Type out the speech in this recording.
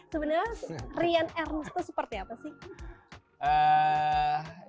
sebenarnya rian ernst tuh seperti apa sih